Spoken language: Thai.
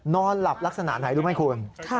นอนหลับลักษณะไหนรู้ไหมคุณ